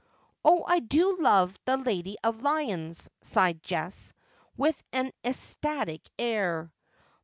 'Oh, I do love the "Lady of Lyons," sighed Jess, with an ecstatic air.